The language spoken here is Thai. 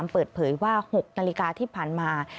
เปิดเผยว่า๖นาฬิกาที่ผ่านมา